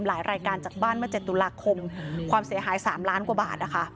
หลายรายการจากบ้านเมื่อ๗ตุลาคมความเสียหาย๓ล้านกว่าบาทนะคะ